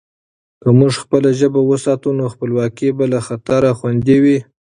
که موږ خپله ژبه وساتو، نو خپلواکي به له خطره خوندي وي.